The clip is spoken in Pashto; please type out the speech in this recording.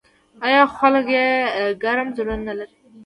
آیا خو خلک یې ګرم زړونه نلري؟